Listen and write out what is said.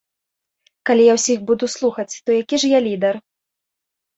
Калі я ўсіх буду слухаць, то які ж я лідар?